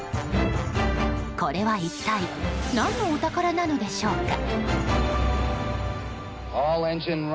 これは一体何のお宝なのでしょうか。